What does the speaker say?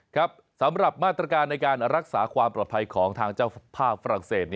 ครับสำหรับมาตรการในการรักษาความปลอดภัยของทางเจ้าภาพฝรั่งเศส